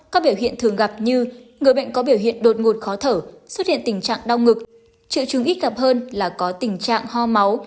các biểu hiện thường gặp như người bệnh có biểu hiện đột ngột khó thở xuất hiện tình trạng đau ngực triệu chứng ít gặp hơn là có tình trạng ho máu